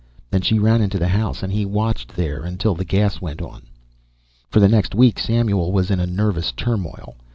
Then she ran into the house and he watched there until the gas went on. For the next week Samuel was in a nervous turmoil.